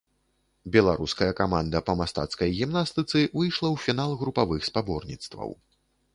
Беларуская каманда па мастацкай гімнастыцы выйшла ў фінал групавых спаборніцтваў.